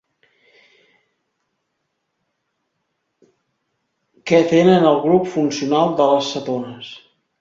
Que tenen el grup funcional de les cetones.